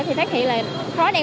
thì phát hiện là khói đen